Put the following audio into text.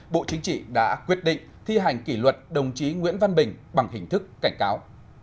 bộ chính trị đã quyết định thi hành kỷ luật đồng chí nguyễn văn bình bằng hình thức cảnh cáo